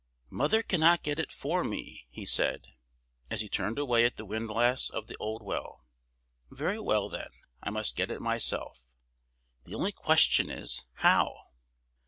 "Mother cannot get it for me," he said, as he turned away at the windlass of the old well. "Very well, then, I must get it myself. The only question is, how?"